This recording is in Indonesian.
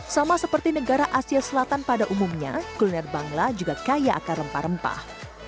sama seperti negara asia selatan pada umumnya kuliner bangla juga kaya akan rempah rempah